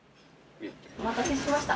お待たせしました